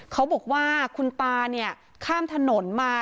เขาบอกว่าคุณตาเนี่ยข้ามถนนมา